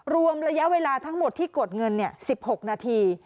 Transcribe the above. รวมระยะเวลาทั้งหมดที่กดเงิน๑๖นาที